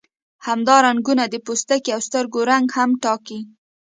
همدا رنګونه د پوستکي او سترګو رنګ هم ټاکي.